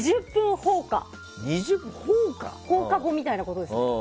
放課後みたいなことですね。